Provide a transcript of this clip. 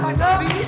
bapak arta wijaya